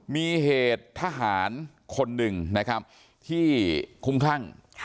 มีเหตุทหารคนหนึ่งนะครับที่คุ้มคลั่ง